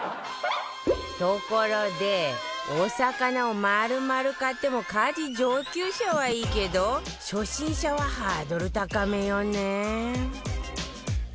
ところでお魚を丸々買っても家事上級者はいいけど初心者はハードル高めよね